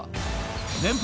年俸